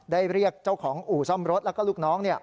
ได้เรียกเจ้าของอู๋ซ่อมรถแล้วก็ลูกน้องเนี่ย